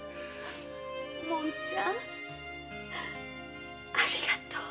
紋ちゃんありがとう。